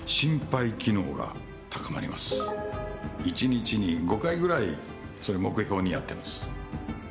１日に５回ぐらいそれ目標にやってます。